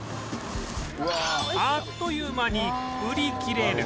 あっという間に売り切れる